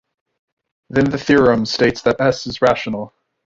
Then the theorem states that "S" is rational.